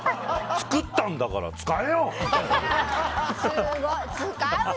作ったんだから使えよ！って。